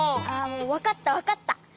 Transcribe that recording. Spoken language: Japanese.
あもうわかったわかった。